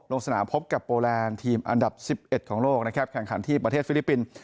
ลงสนามพบกับโปแลนด์ทีมอันดับ๑๑ของโลกนะครับแข่งขันที่ประเทศฟิลิปปินส์